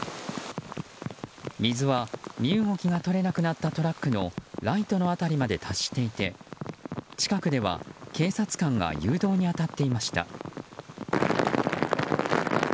水は身動きが取れなくなったトラックのライトの辺りまで達していて近くでは警察官が誘導に当たっていました。